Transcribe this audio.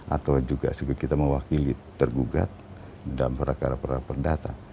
atau juga kita mewakili tergugat dalam perakara perakara perdata